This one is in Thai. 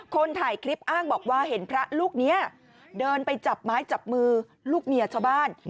คนถ่ายคลิปอ้างบอกว่าเห็นพระลูกนี้เดินไปจับไม้จับมือลูกเมียชาวบ้าน